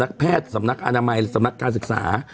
นักแพทย์นักอาณามัยนักการศึกษา